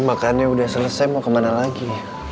makannya udah selesai mau kemana lagi